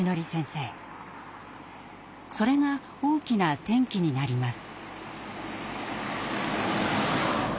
それが大きな転機になります。